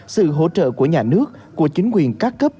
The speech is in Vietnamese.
sự hỗ trợ của nhà nước của chính quyền các cấp